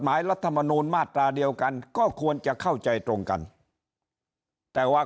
รัฐมนูลมาตราเดียวกันก็ควรจะเข้าใจตรงกันแต่ว่า